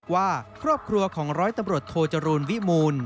ว่าครอบครัวของร้อยตำรวจโทจรูลวิมูล